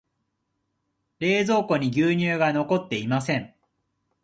冷蔵庫に牛乳が残っていません。